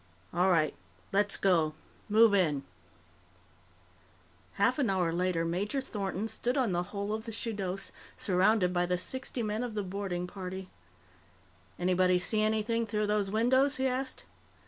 "All right, let's go. Move in." Half an hour later, Major Thornton stood on the hull of the Shudos, surrounded by the sixty men of the boarding party. "Anybody see anything through those windows?" he asked.